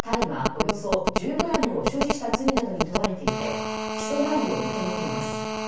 およそ１０ｇを所持した罪などに問われていて起訴内容を認めています。